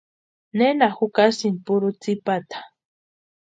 ¿Nena jukasïnki purhu tsïpata?